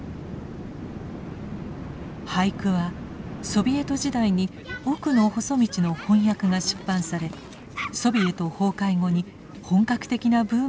俳句はソビエト時代に「おくのほそ道」の翻訳が出版されソビエト崩壊後に本格的なブームが起きました。